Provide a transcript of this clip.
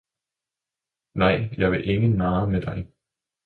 'Nej, jeg vil ingen narre med dig!